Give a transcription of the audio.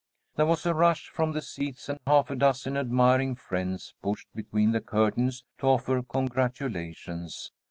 There was a rush from the seats, and half a dozen admiring friends pushed between the curtains to offer congratulations.